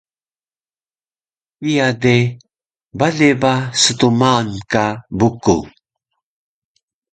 Kiya de bale ba stmaan ka Bukung